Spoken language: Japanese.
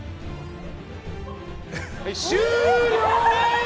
終了！